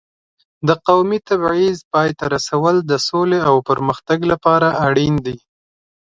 د قومي تبعیض پای ته رسول د سولې او پرمختګ لپاره اړین دي.